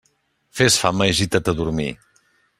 Fes fama i gita't a dormir.